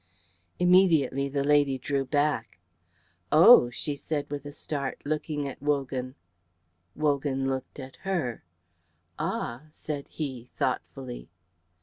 Immediately the lady drew back. "Oh!" she said with a start, looking at Wogan. Wogan looked at her. "Ah!" said he, thoughtfully.